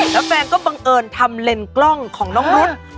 แล้วแฟนก็บังเอิญทำเลนส์กล้องของน้องรุ๊ด